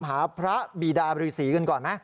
หาพระบีดาบริษีกันก่อนไหม